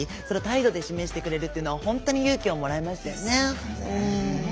それを態度で示してくれるというのは勇気をもらいましたよね。